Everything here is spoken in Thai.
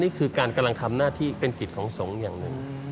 นี่คือการกำลังทำหน้าที่เป็นกิจของสงฆ์อย่างหนึ่ง